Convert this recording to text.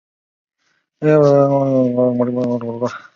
林恩镇区为美国堪萨斯州华盛顿县辖下的镇区。